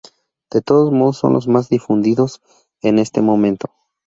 De todos modos son los más difundidos en este momento.